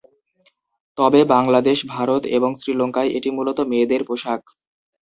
তবে বাংলাদেশ, ভারত এবং শ্রীলঙ্কায় এটি মূলতঃ মেয়েদের পোশাক।